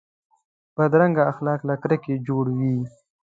بدرنګه اخلاق له کرکې جوړ وي